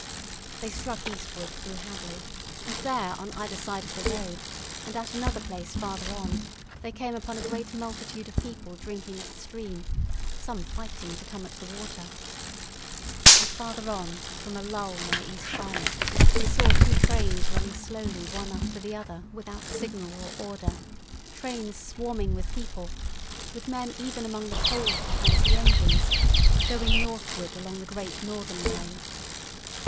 They struck eastward through Hadley, and there on either side of the road, and at another place farther on they came upon a great multitude of people drinking at the stream, some fighting to come at the water. And farther on, from a lull near East Barnet, they saw two trains running slowly one after the other without signal or order—trains swarming with people, with men even among the coals behind the engines—going northward along the Great Northern Railway.